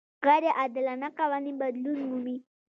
غیر عادلانه قوانین بدلون مومي.